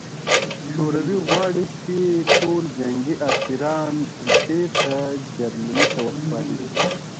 شوروي غواړي چې ټول جنګي اسیران بېرته جرمني ته وسپاري